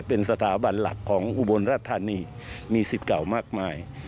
เป็นสถาบันหลักของอุบลรัฐธานีมีสิทธิ์เก่ามากมาย